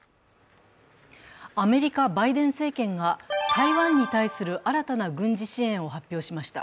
アメリカ・バイデン政権が台湾に対する新たな軍事支援を発表しました。